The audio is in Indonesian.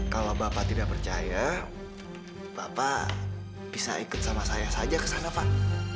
kalau bapak tidak percaya bapak bisa ikut sama saya saja ke sana pak